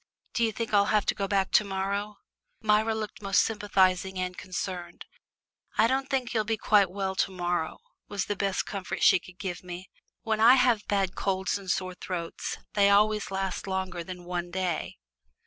Do you think I'll have to go back to morrow?" Myra looked most sympathising and concerned. "I don't think you'll be quite well to morrow," was the best comfort she could give me. "When I have bad colds and sore throats they always last longer than one day."